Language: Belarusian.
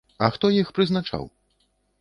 А хто іх прызначаў?